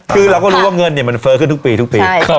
คือเราก็รู้ว่าเงินมันเฟ้อขึ้นทุกปีทุกปี